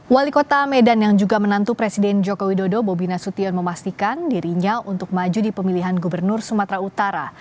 wali kota medan yang juga menantu presiden joko widodo bobi nasution memastikan dirinya untuk maju di pemilihan gubernur sumatera utara